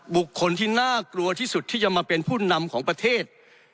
บุคคลที่น่ากลัวที่สุดที่จะมาเป็นผู้นำของประเทศ